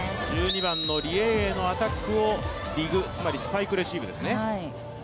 １２番のリ・エイエイのアタックをディグ、つまりスパイクレシーブですね。